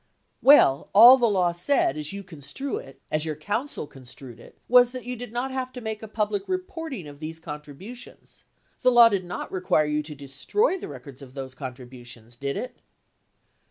Well, all the law said, as you construe it, as your counsel construed it, was that you did not have to make a public reporting of these contributions. The law did not require you to destroy the records of those contributions, did it?